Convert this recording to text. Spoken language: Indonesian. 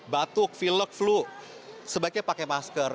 batuk pilek flu sebaiknya pakai masker